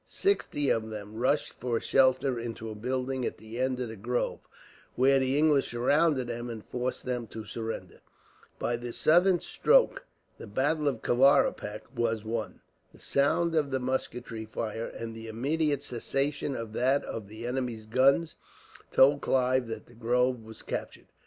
Sixty of them rushed for shelter into a building at the end of the grove, where the English surrounded them and forced them to surrender. By this sudden stroke, the battle of Kavaripak was won. The sound of the musketry fire, and the immediate cessation of that of the enemy's guns, told Clive that the grove was captured.